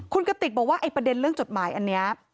คุณกติกบอกว่าไอ้ประเด็นเรื่องจดหมายอันนี้